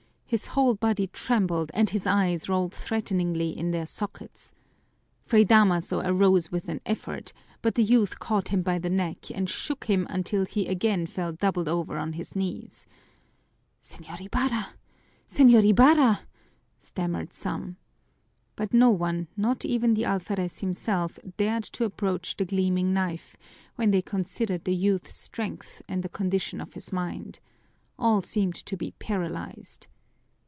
His whole body trembled and his eyes rolled threateningly in their sockets. Fray Damaso arose with an effort, but the youth caught him by the neck and shook him until he again fell doubled over on his knees. "Señor Ibarra! Señor Ibarra!" stammered some. But no one, not even the alferez himself, dared to approach the gleaming knife, when they considered the youth's strength and the condition of his mind. All seemed to be paralyzed.